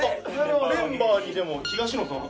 メンバーにでも東野さん。